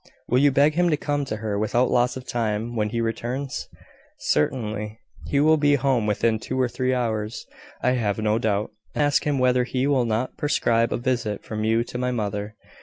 Will you beg him to come to her without loss of time, when he returns?" "Certainly; he will be home within two or three hours, I have no doubt." "And then ask him whether he will not prescribe a visit from you to my mother.